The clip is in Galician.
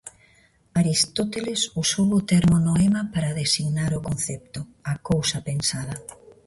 Aristóteles usou o termo noema para designar o concepto, a cousa pensada.